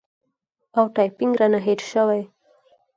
او ټایپینګ رانه هېر شوی